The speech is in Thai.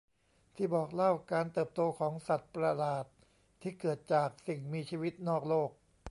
ที่บอกเล่าการเติบโตของสัตว์ประหลาดที่เกิดจากสิ่งมีชีวิตนอกโลก